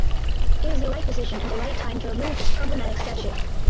It is the right decision and the right time to remove this problematic statue.